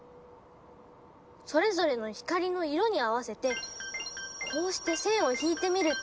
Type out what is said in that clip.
それぞれの光の色に合わせてこうして線を引いてみると。